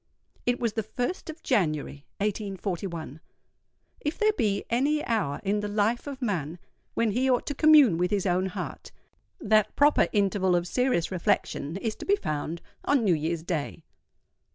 It was the 1st of January, 1841. If there be any hour in the life of man when he ought to commune with his own heart, that proper interval of serious reflection is to be found on New Year's Day.